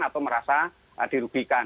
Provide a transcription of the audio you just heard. atau merasa dirugikan